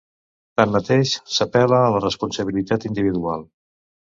Tanmateix, s’apel·la a la responsabilitat individual.